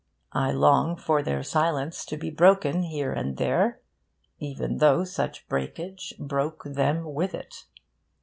I long for their silence to be broken here and there, even though such breakage broke them with it.